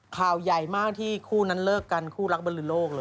ข่าวใหญ่มากที่คู่นั้นเลิกกันคู่รักบริโลกเลย